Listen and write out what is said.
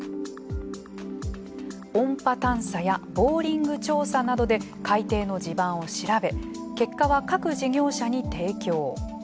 音波探査やボーリング調査などで海底の地盤を調べ結果は各事業者に提供。